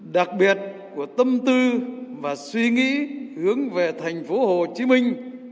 đặc biệt của tâm tư và suy nghĩ hướng về thành phố hồ chí minh